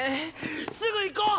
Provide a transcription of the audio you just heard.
すぐ行こう！